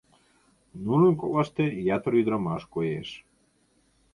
Нунын коклаште ятыр ӱдырамаш коеш.